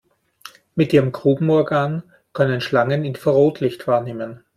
Mit ihrem Grubenorgan können Schlangen Infrarotlicht wahrnehmen.